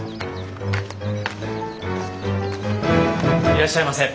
いらっしゃいませ。